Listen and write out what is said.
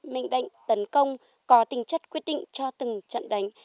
mệnh đệnh tấn công có tình chất quyết định cho từng trận đánh